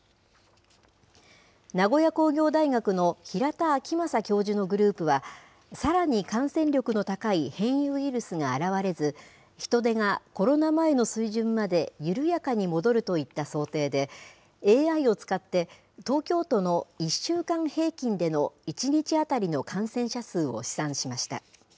名古屋工業大学の平田晃正教授のグループは、さらに感染力の高い変異ウイルスが現れず、人出がコロナ前の水準まで緩やかに戻るといった想定で、ＡＩを使って、東京都の１週間平均での１日当たりの感染者数を試算しました。